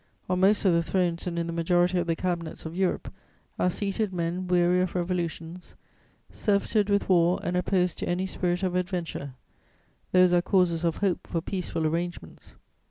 On most of the thrones and in the majority of the Cabinets of Europe are seated men weary of revolutions, surfeited with war and opposed to any spirit of adventure; those are causes of hope for peaceful arrangements.